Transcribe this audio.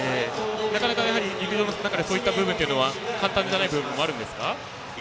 なかなかやはり陸上の中ではそういった部分は簡単じゃない部分もありますか。